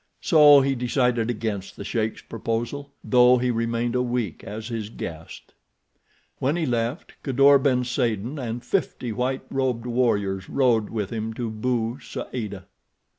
So he decided against the sheik's proposal, though he remained a week as his guest. When he left, Kadour ben Saden and fifty white robed warriors rode with him to Bou Saada.